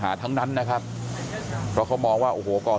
แต่ว่าวินนิสัยดุเสียงดังอะไรเป็นเรื่องปกติอยู่แล้วครับ